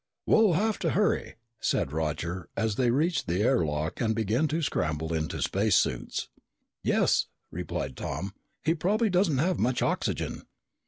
"We'll have to hurry," said Roger as they reached the air lock and began to scramble into space suits. "Yes," replied Tom. "He probably doesn't have much oxygen."